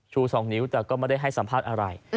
ชู๒นิ้วแต่ก็ไม่ได้ให้สัมภาษณ์อะไร